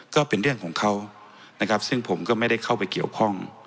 ก็เป็นเรื่องของเขานะครับซึ่งผมก็ไม่ได้เข้าไปเกี่ยวข้อง